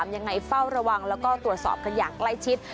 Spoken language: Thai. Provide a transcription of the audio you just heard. ยังไงเฝ้าระวังแล้วก็ตรวจสอบกันอย่างใกล้ชิด